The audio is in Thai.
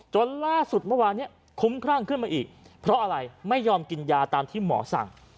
จนล่าสุดเมื่อวานนี้คุ้มครั่งขึ้นมาอีกเพราะอะไรไม่ยอมกินยาตามที่หมอสั่ง